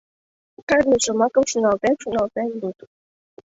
Кажне шомакым шоналтен-шоналтен луд.